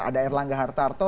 ada erlangga hartarto